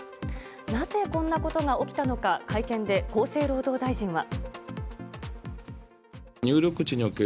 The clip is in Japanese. なぜ、こんなことが起きたのか会見で厚生労働大臣は。